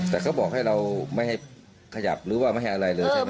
แต่เขาบอกให้เราไม่ให้ขยับหรือว่าไม่ให้อะไรเลยใช่ไหม